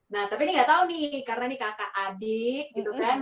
nah tapi ini nggak tahu nih karena ini kakak adik gitu kan